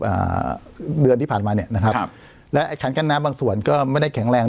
อ่าเดือนที่ผ่านมาเนี้ยนะครับครับและไอ้คันกั้นน้ำบางส่วนก็ไม่ได้แข็งแรง